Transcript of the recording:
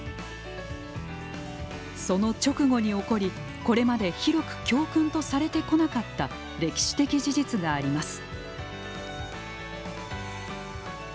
その直後に起こり、これまで広く教訓とされてこなかった歴史的事実があります。